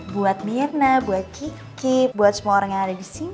buat mirna buat kiki buat semua orang yang ada disini